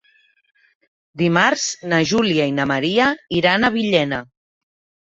Dimarts na Júlia i na Maria iran a Villena.